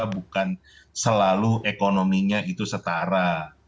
bukan selalu ekonominya itu setara